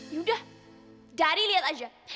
yaudah dadi lihat aja